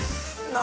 何？